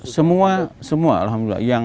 semua semua alhamdulillah